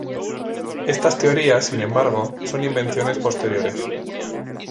Estas teorías, sin embargo, son invenciones posteriores.